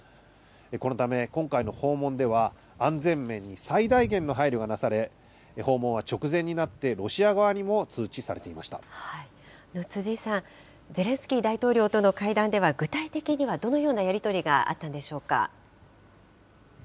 このため今回の訪問では、安全面に最大限の配慮がなされ、訪問は直前になって辻さん、ゼレンスキー大統領との会談では、具体的にはどのようなやり取りがあったんでしょう